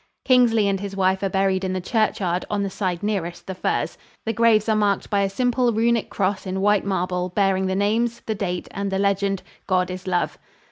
Kingsley and his wife are buried in the churchyard on the side nearest the firs. The graves are marked by a simple Runic cross in white marble bearing the names, the date, and the legend, "God is Love."